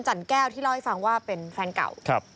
แก้วที่เล่าให้ฟังว่าเป็นแฟนเก่า